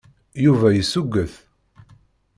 Yuba yessuget.